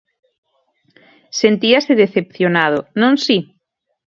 Sentíase decepcionado, non si?